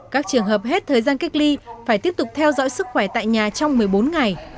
các trường hợp hết thời gian cách ly phải tiếp tục theo dõi sức khỏe tại nhà trong một mươi bốn ngày